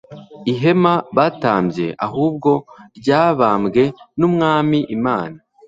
ihema batabambye ahubwo ryabambwe n'umwami imana